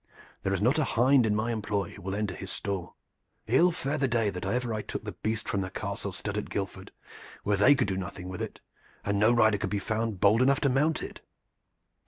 There is not a hind in my employ who will enter his stall. Ill fare the day that ever I took the beast from the Castle stud at Guildford, where they could do nothing with it and no rider could be found bold enough to mount it!